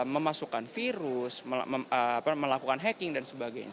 memasukkan virus melakukan hacking dan sebagainya